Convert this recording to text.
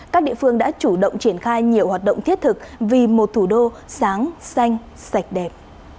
các địa phương đã chủ động triển khai nhiều hoạt động thiết thực vì một thủ đô sáng xanh sạch đẹp